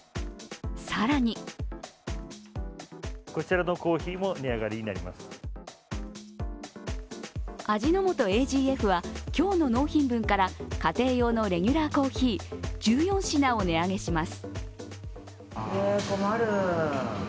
更に味の素ＡＧＦは今日の納品分から家庭用のレギュラーコーヒー、１４品を値上げします。